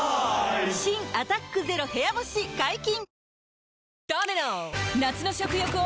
新「アタック ＺＥＲＯ 部屋干し」解禁‼